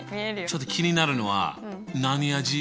ちょっと気になるのは何味？